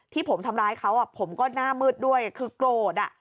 ที่ผมทำร้ายเขาผมก็หน้ามืดด้วยคือโกรธ